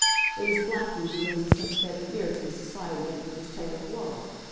It is Blackie who lends a sympathetic ear to the society editor's tale of woe.